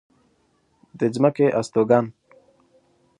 د ځمکې استوگن